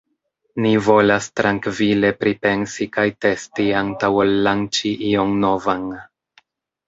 Ni volas trankvile pripensi kaj testi antaŭ ol lanĉi ion novan.